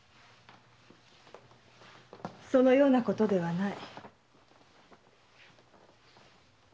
そのようなことではない。